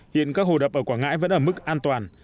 hiện các hồ đập ở quảng ngãi vẫn ở mức an toàn